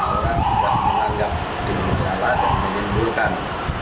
orang sudah menanggap ini salah dan menimbulkan